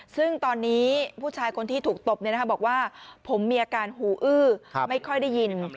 ซึ่งตอนนี้ผู้ชายคนที่ถูกตบบอกว่าผมมีอาการหูอื้อไม่ค่อยได้ยิน